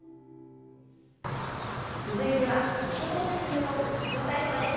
続いては躍動的に動く「ラジオ体操」です。